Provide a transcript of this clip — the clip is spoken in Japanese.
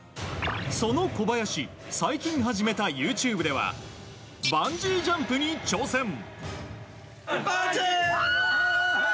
その小林、最近始めたＹｏｕＴｕｂｅではバンジージャンプに挑戦。